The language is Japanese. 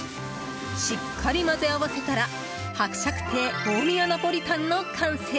しっかり混ぜ合わせたら伯爵邸大宮ナポリタンの完成！